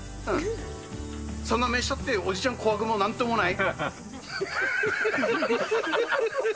そんな目したって、おじちゃん、怖くもなんともない。